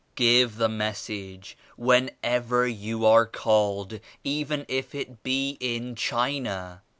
" "Give the Message whenever you are called, even if it be in China.